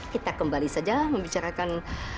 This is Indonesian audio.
kita kembali saja membicarakan